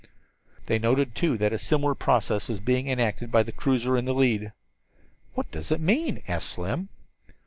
They noted, too, that a similar process was being enacted by the cruiser in the lead. "What does it mean?" asked Slim.